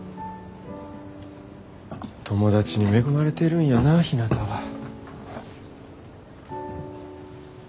友達に恵まれてるんやなひなたは。